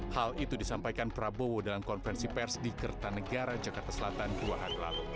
hal itu disampaikan prabowo dalam konferensi pers di kertanegara jakarta selatan dua hari lalu